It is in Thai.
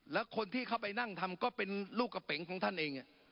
แล้วคนที่เข้าไปนั่งทำก็เป็นลูกกระเป๋งของท่านเอง